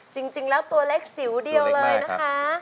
จริงแล้วตัวเล็กจิ๋วเดียวเลยนะคะ